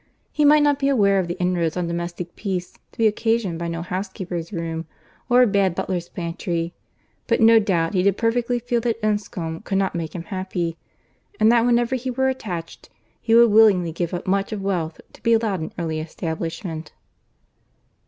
He might not be aware of the inroads on domestic peace to be occasioned by no housekeeper's room, or a bad butler's pantry, but no doubt he did perfectly feel that Enscombe could not make him happy, and that whenever he were attached, he would willingly give up much of wealth to be allowed an early establishment.